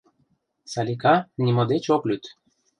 Салика нимо деч ок лӱд.